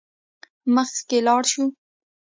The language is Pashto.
مخکې لاړ شو.